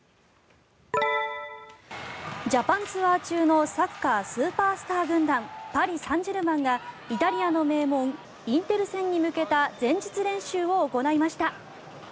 ジャパンツアー中のサッカースーパースター軍団パリ・サンジェルマンがイタリアの名門インテル戦に向けた前日練習を行いました。